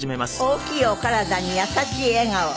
大きいお体に優しい笑顔